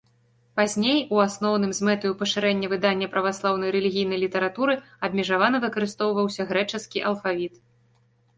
Пазней, у асноўным, з мэтаю пашырэння выдання праваслаўнай рэлігійнай літаратуры, абмежавана выкарыстоўваўся грэчаскі алфавіт.